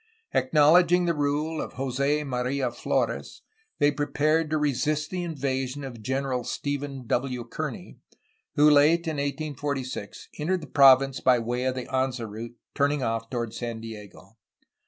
Ac knowledging the rule of Jos6 Maria Flores they prepared to resist the invasion of General Stephen W. Kearny, who, late in 1846, entered the province by way of the Anza route, turning off toward San Diego.